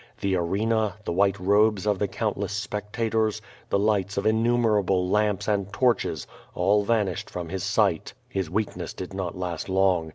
The arena, the white robes of the countless spectators, the lights of innumerable lamps and torches, all vanished from his sight. ^ His weakness did not last long.